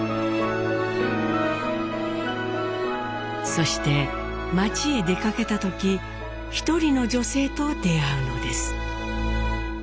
そして街へ出かけた時一人の女性と出会うのです。